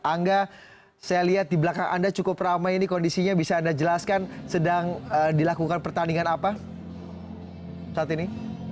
angga saya lihat di belakang anda cukup ramai ini kondisinya bisa anda jelaskan sedang dilakukan pertandingan apa saat ini